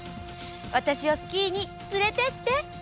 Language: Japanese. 私をスキーに連れてって！